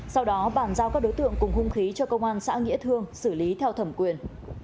sau đó bàn giao các đối tượng cùng hung khí cho công an xã nghĩa thương xử lý theo thẩm quyền